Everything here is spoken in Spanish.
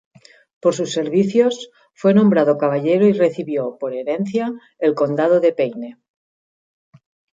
Por sus servicios, fue nombrado Caballero y recibió, por herencia, el Condado de Peine.